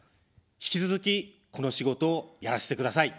引き続き、この仕事をやらせてください。